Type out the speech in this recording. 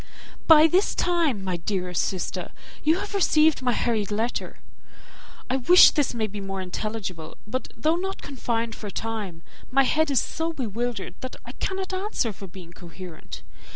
"By this time, my dearest sister, you have received my hurried letter; I wish this may be more intelligible, but though not confined for time, my head is so bewildered that I cannot answer for being coherent.